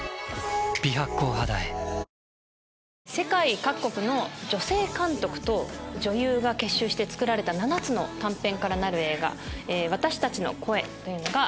世界各国の女性監督と女優が結集して作られた７つの短編からなる映画。